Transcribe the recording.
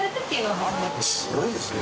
すごいですよね